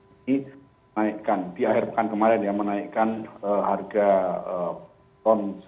ini naikkan di akhir pekan kemarin ya menaikkan harga pon sembilan dua